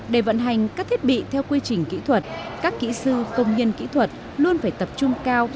để vận hành các thiết bị theo quy trình kỹ thuật các kỹ sư công nhân kỹ thuật luôn phải tập trung cao